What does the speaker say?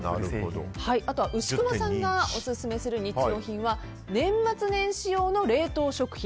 あとは牛窪さんがオススメする日用品は年末年始用の冷凍食品。